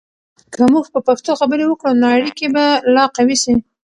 که موږ په پښتو خبرې وکړو، نو اړیکې به لا قوي سي.